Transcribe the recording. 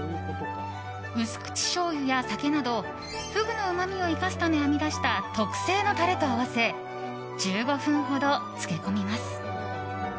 薄口しょうゆや酒などフグのうまみを生かすため編み出した特製のタレと合わせ１５分ほど漬け込みます。